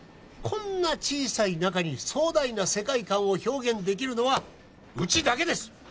こんな小さい中に壮大な世界観を表現できるのはうちだけです